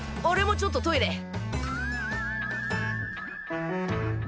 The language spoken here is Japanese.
おれもちょっとトイレ！